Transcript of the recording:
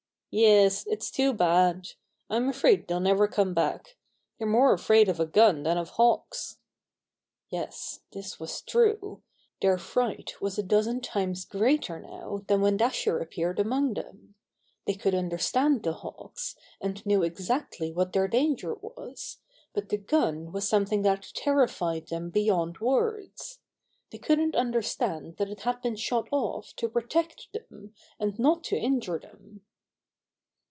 "Yes, it's too bad! I'm afraid they'll never come back. They're more afraid of a gun than of Hawks." Yes, this was true! Their fright was a dozen times greater now than when Dasher ap peared among them. They could understand the Hawks, and knew exactly what their Bobby Hears Unpleasant News 83 danger was, but the gun was something that terrified them beyond words. They couldn't understand that it had been shot off to protect them and not to injure them.